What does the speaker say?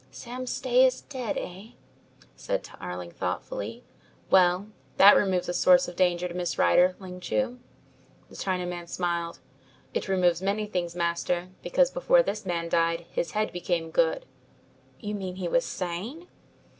"Sam Stay is dead, eh?" said Tarling thoughtfully. "Well, that removes a source of danger to Miss Rider, Ling Chu." The Chinaman smiled. "It removes many things, master, because before this man died, his head became good." "You mean he was sane?"